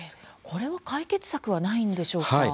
これは解決策はないのでしょうか。